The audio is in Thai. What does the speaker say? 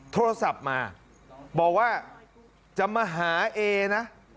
โทรศัพท์มาบอกว่าจะมาหาเอนะ